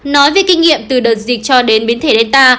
nói về kinh nghiệm từ đợt dịch cho đến biến thể gelta